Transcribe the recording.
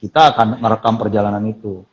kita akan merekam perjalanan itu